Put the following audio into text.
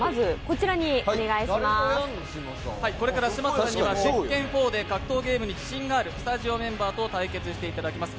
これから嶋佐さんには「鉄拳４」で格闘ゲームに自信のあるスタジオメンバーと対決していただきます。